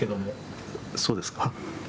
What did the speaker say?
そうですか？